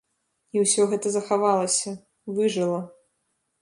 І усё гэта захавалася, выжыла.